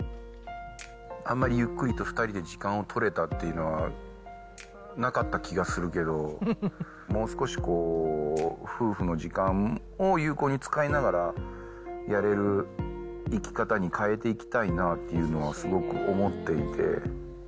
あんまりゆっくりと２人で時間を取れたっていうのはなかった気がするけど、もう少し夫婦の時間を有効に使いながらやれる生き方に変えていきたいなっていうのは、すごく思っていて。